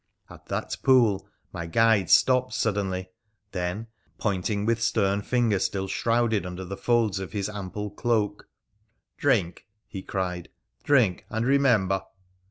At that pool my guide stopped suddenly, then, pointing with stern finger still shrouded under the folds of hia ample cloak —' Drink !' he cried. ' Drink and remember